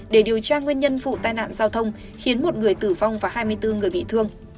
để điều tra nguyên nhân vụ tai nạn giao thông khiến một người tử vong và hai mươi bốn người bị thương